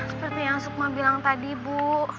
seperti yang sukma bilang tadi bu